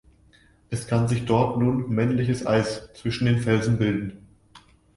Es kann sich dort nun „männliches Eis“ zwischen den Felsen bilden.